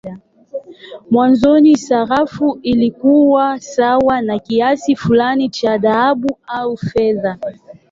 Mwanzoni sarafu ilikuwa sawa na kiasi fulani cha dhahabu au fedha.